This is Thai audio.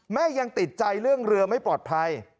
ยังติดใจเรื่องเรือไม่ปลอดภัย